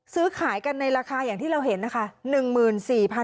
ซื้อขายกันในราคาอย่างที่เราเห็นนะคะ